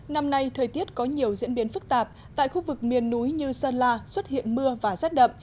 năm nay thời tiết có nhiều diễn biến phức tạp tại khu vực miền núi như sơn la xuất hiện mưa và rét đậm